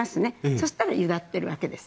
そしたらゆだっているわけです。